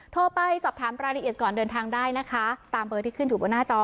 โทรไปสอบถามรายละเอียดก่อนเดินทางได้นะคะตามเบอร์ที่ขึ้นอยู่บนหน้าจอ